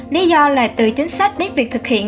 lý do là từ chính sách đến việc thực hiện